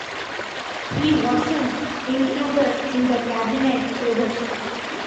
He wasn't included in the cabinet either.